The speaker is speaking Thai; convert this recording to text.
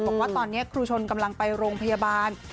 บอกว่าตอนนี้ครูชนกำลังไปโรงพยาบาล